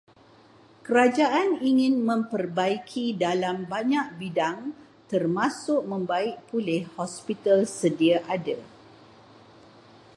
Kerajaan ingin memperbaiki dalam banyak bidang termasuk membaik pulih hospital sedia ada.